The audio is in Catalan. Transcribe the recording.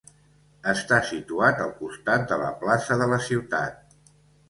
Està situat al costat de la plaça de la ciutat.